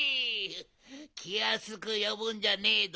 きやすくよぶんじゃねえど。